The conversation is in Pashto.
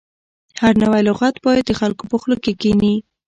هر نوی لغت باید د خلکو په خوله کې کښیني.